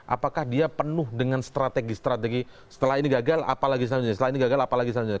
apakah dia penuh dengan strategi strategi setelah ini gagal apalagi setelah ini gagal apalagi setelah ini gagal